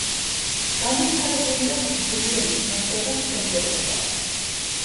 განვითარებული აქვთ ძლიერი ყნოსვა და მხედველობა.